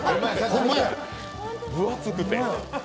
分厚くて。